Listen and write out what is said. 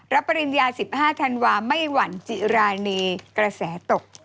ปริญญา๑๕ธันวาไม่หวั่นจิรานีกระแสตก